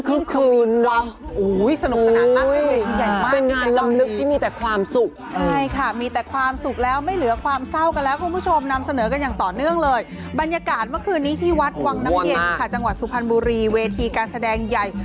เสน่ห์เสน่ห์หลำวงแช่เป็นเวทีลำวงเก้าหน้าถอยหลังสามก็ว่ากันไป